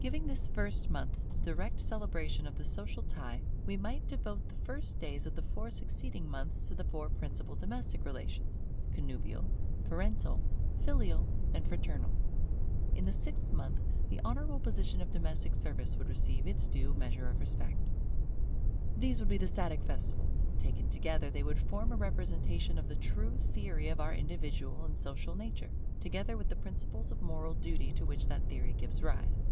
Giving this first month to the direct celebration of the social tie, we might devote the first days of the four succeeding months to the four principal domestic relations, Connubial, Parental, Filial, and Fraternal. In the sixth month, the honourable position of domestic service would receive its due measure of respect. These would be the static festivals; taken together they would form a representation of the true theory of our individual and social nature, together with the principles of moral duty to which that theory gives rise.